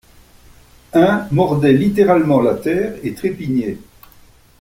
Un mordait littéralement la terre et trépignait.